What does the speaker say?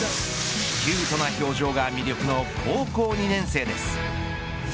キュートな表情が魅力の高校２年生です。